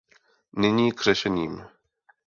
Nyní k řešením.